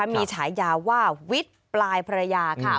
มีฉายาว่าวิทย์ปลายพระราญา